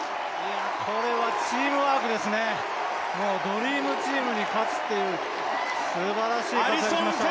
これはチームワークですね、ドリームチームに勝つというすばらしい活躍しました。